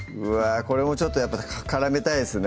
これもちょっと絡めたいですね